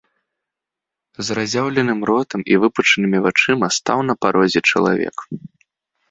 З разяўленым ротам і выпучанымі вачыма стаў на парозе чалавек.